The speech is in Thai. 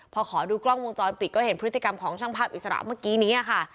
พอขอดูกล้องวงจรปิดก็เห็นพฤติกรรมของช่างภาพอิสระเมื่อกี้นี้ค่ะ